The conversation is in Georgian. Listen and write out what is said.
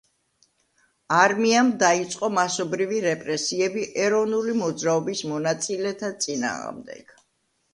არმიამ დაიწყო მასობრივი რეპრესიები ეროვნული მოძრაობის მონაწილეთა წინააღმდეგ.